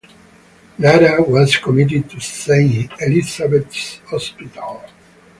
Latta was committed to Saint Elizabeths Hospital.